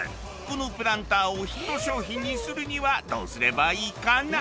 このプランターをヒット商品にするにはどうすればいいかな？